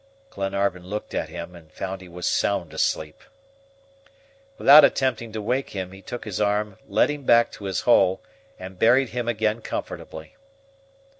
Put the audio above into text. Glenarvan looked at him, and found he was sound asleep! Without attempting to wake him, he took his arm, led him back to his hole, and buried him again comfortably.